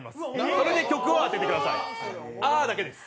これで曲を当ててください、「あー！」だけです。